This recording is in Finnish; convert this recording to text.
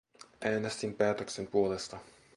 Äänestin päätöksen puolesta.